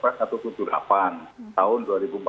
perwira aktif di fakamla tahun dua ribu empat belas